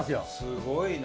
すごいな！